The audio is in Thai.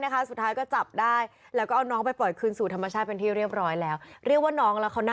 กำลังคิดถึงหน้าเขา